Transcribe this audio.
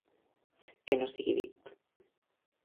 Que no sigui dit.